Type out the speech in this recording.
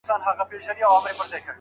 کامه د علم او ادب زانګو